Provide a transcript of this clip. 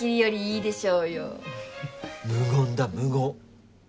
無言だ無言。